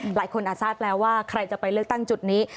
หลายคนอาศาสตร์แล้วว่าใครจะไปเลือกตั้งจุดนี้